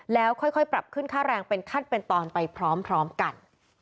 แล้วค่อยปรับขึ้นค่าแรงเป็นขั้นเป็นตอนไปพร้อมกัน